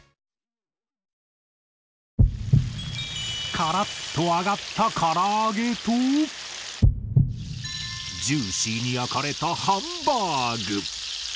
カラッと揚がったから揚げとジューシーに焼かれたハンバーグ。